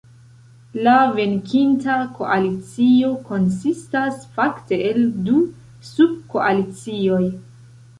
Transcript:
La venkinta koalicio konsistas fakte el du subkoalicioj.